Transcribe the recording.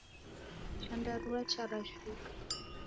Chandarua charashuka.